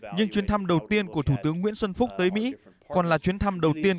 nhưng chuyến thăm đầu tiên của thủ tướng nguyễn xuân phúc tới mỹ còn là chuyến thăm đầu tiên